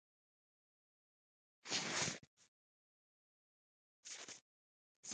لمر غوښتل چې واده وکړي.